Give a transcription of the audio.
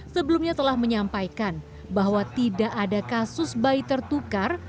sebelumnya telah menyampaikan bahwa tidak ada kasus bayi tertukar